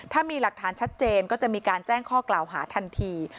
ถ้ามีหลักฐานชัดเจนก็จะมีการแจ้งข้อกล่าวหาทันที